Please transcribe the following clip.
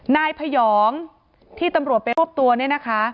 นายพยองที่ตำรวจไปรวบตัวเนี่ยนะคะ